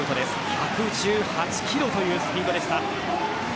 １１８キロというスピードでした。